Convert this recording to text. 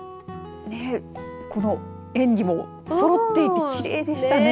ね、この演技もそろっていてきれいでしたね。